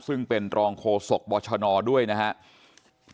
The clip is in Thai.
ซึ่งเป็นรองโฆษกบชนด้วยนะครับ